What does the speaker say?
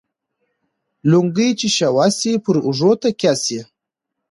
لنگۍ چې شوه سي ، پر اوږو تکيه سي.